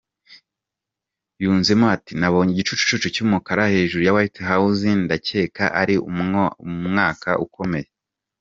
Yunzemo ati “Ndabona igicucucu cy’ umukara hejuru ya White house…ndakeka ari umwaka ukomeye”